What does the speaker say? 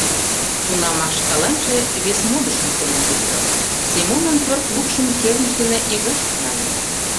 Тунамак шкаланже вес модышым шонен лукто: Семонын пӧрт лукшым кермыч дене йыгаш тӱҥале.